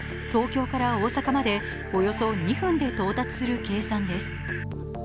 東京から大阪までおよそ２分で到達する計算です。